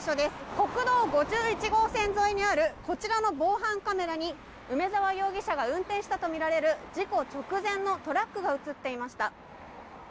国道５１号線沿いにあるこちらの防犯カメラに梅沢容疑者が運転したとみられる事故直前のトラックが映っていました。